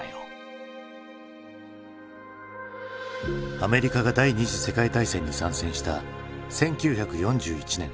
アメリカが第２次世界大戦に参戦した１９４１年。